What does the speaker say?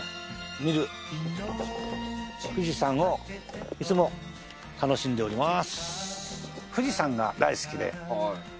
見る富士山をいつも楽しんでおります。